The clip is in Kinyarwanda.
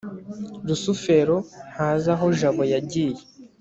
rusufero ntazi aho jabo yagiye